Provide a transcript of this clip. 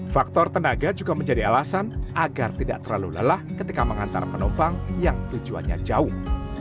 faktor tenaga juga menjadi alasan agar tidak terlalu lelah ketika mengantar penumpang yang tujuannya jauh